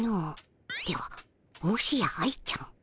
ではもしや愛ちゃん